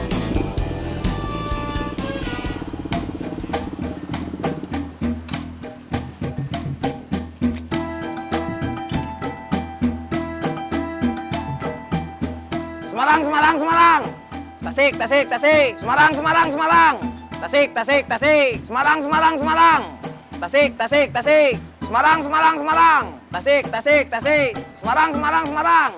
terima kasih theaters